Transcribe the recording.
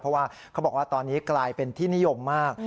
เพราะว่าเขาบอกว่าตอนนี้กลายเป็นที่นิยมมาก